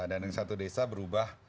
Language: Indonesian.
dan yang satu desa berubah